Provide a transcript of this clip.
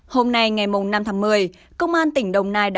hôm nay ngày năm tháng một mươi công an tỉnh đồng nai đã